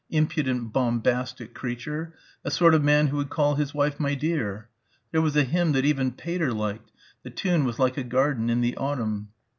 Impudent bombastic creature ... a sort of man who would call his wife "my dear." There was a hymn that even Pater liked ... the tune was like a garden in the autumn....